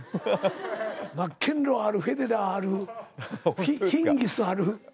マッケンローあるフェデラーあるヒンギスある。